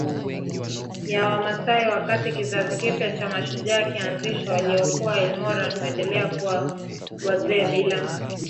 ya Wamaasai Wakati kizazi kipya cha mashujaa kinaanzishwa waliokuwa ilmoran huendelea kuwa wazee bila